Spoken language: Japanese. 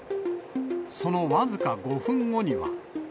その僅か５分後には。